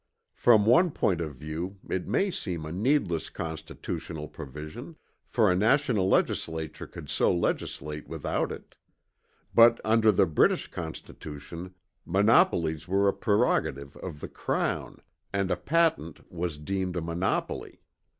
From one point of view it may seem a needless Constitutional provision; for a national legislature could so legislate without it. But under the British Constitution monopolies were a prerogative of the Crown, and a patent was deemed a monopoly.